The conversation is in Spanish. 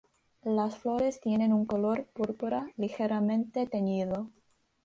Las flores tienen un color púrpura ligeramente teñido.